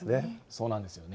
そうなんですよね。